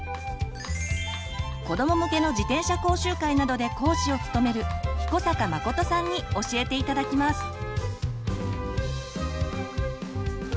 子ども向けの自転車講習会などで講師を務める彦坂誠さんに教えて頂きます。